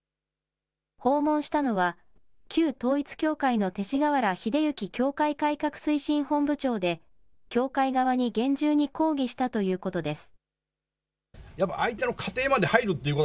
訪問したのは、旧統一教会の勅使河原秀行教会改革推進本部長で、教会側に厳重に抗議したということです。